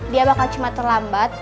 dia bakal cuma terlambat